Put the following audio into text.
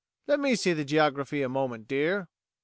Let me see the geography a moment, dear."